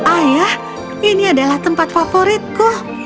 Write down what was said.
ayah ini adalah tempat favoritku